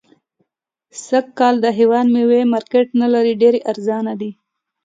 سږ کال د هيواد ميوي مارکيټ نلري .ډيري ارزانه دي